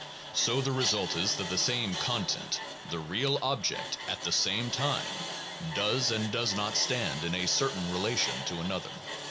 So the result is that the same content [the real object], at the same time, does and does not stand in a certain relation to another."